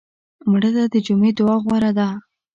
مړه ته د جمعې دعا غوره ده